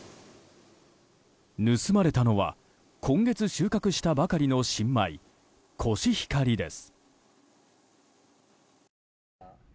盗まれたのは今月収穫したばかりの新米コシヒカリです。